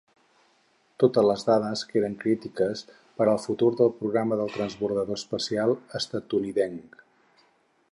Totes les dades que eren crítiques per al futur del programa del Transbordador Espacial estatunidenc.